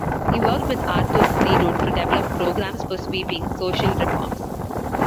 He worked with Arthur Greenwood to develop programmes for sweeping social reforms.